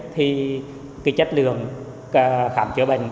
thì chất lượng khám chữa bệnh